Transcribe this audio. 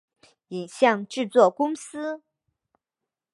影像制作公司